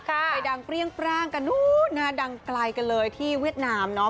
ไปดังเปรี้ยงปร่างกันนู้นนะฮะดังไกลกันเลยที่เวียดนามเนาะ